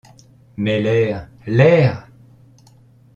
Mais l’air, l’air !